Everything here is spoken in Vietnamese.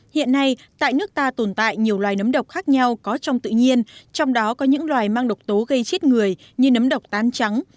hiện nay tại nước ta tồn tại nhiều loài nấm độc khác nhau có trong tự nhiên trong đó có những loài mang độc tố gây chết người như nấm độc tán trắng